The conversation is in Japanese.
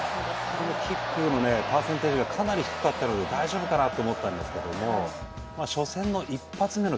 このキックのパーセンテージがかなり低かったので大丈夫かなと思ったんですけども初戦の１発目のキックですね。